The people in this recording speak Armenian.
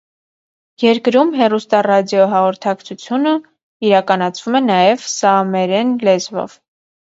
Երկրում հեռուստառադիոհաղորդակցությունը իրականացվում է նաև սաամերեն լեզվով։